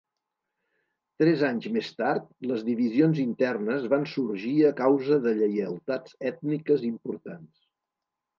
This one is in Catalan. Tres anys més tard les divisions internes van sorgir a causa de lleialtats ètniques importants.